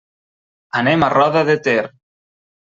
Anem a Roda de Ter.